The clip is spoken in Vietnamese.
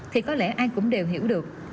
thì có lẽ ai cũng đều hiểu được